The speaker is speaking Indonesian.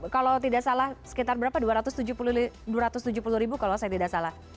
kalau tidak salah sekitar berapa dua ratus tujuh puluh ribu kalau saya tidak salah